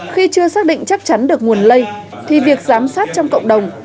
khi chưa xác định chắc chắn được nguồn lây thì việc giám sát trong cộng đồng